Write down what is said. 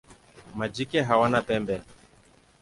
Majike hawana pembe.